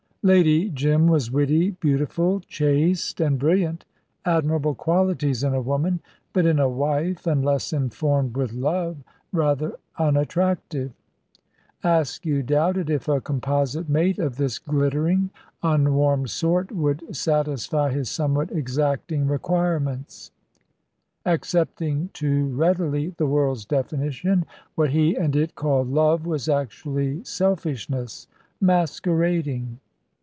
Lady Jim was witty, beautiful, chaste and brilliant admirable qualities in a woman, but in a wife, unless informed with love, rather unattractive. Askew doubted if a composite mate of this glittering, unwarmed sort would satisfy his somewhat exacting requirements. Accepting too readily the world's definition, what he and it called love was actually selfishness, masquerading.